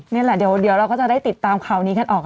นี่แหละเดี๋ยวเราก็จะได้ติดตามข่าวนี้กันออก